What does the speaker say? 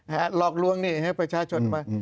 หลอกลวงนี่ให้ประชาชนมา